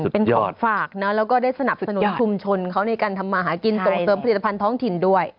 เป็นของฝากนะแล้วก็ได้สนับสนุนชุมชนเขาในการทำมาหากินส่งเสริมผลิตภัณฑ์ท้องถิ่นด้วย